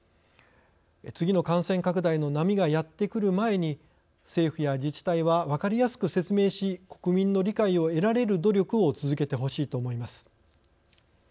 次の感染拡大の波がやってくる前に政府や自治体は分かりやすく説明し国民の理解を得られる努力を続けてほしいと思います。